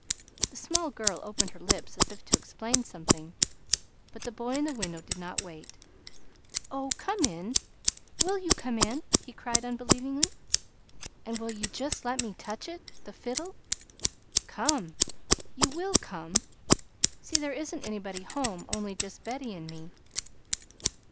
The small girl opened her lips as if to explain something; but the boy in the window did not wait. "Oh, come in. WILL you come in?" he cried unbelievingly. "And will you just let me touch it the fiddle? Come! You WILL come? See, there isn't anybody home, only just Betty and me."